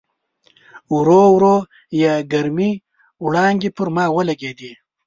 ورو ورو یې ګرمې وړانګې پر ما ولګېدې.